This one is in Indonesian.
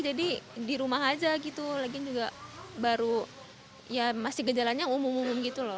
di rumah aja gitu lagi juga baru ya masih gejalanya umum umum gitu loh